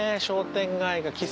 商店街が。